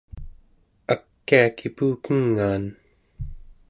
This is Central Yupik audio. akia kipukengaan